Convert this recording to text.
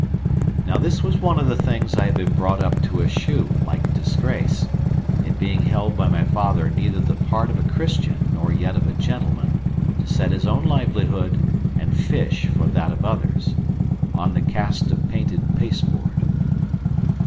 Now this was one of the things I had been brought up to eschew like disgrace; it being held by my father neither the part of a Christian nor yet of a gentleman to set his own livelihood and fish for that of others, on the cast of painted pasteboard.